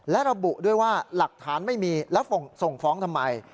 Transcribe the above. และระบุด้วยว่าหลักฐานไม่มีแล้วส่งฟ้องทำไม